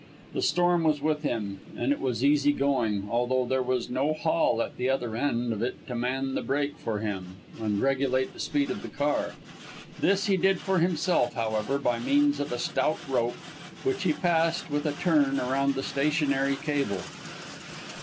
The storm was with him, and it was easy going, although there was no Hall at the other end of it to man the brake for him and regulate the speed of the car. This he did for himself, however, by means of a stout rope, which he passed, with a turn, round the stationary cable.